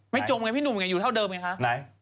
ไม่จมไงพี่หนุ่มอยู่เท่าเดิมไงค่ะ